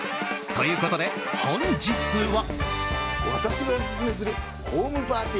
ということで本日は。